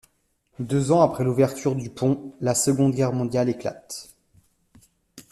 Deux ans après l’ouverture du pont, la Seconde Guerre mondiale éclate.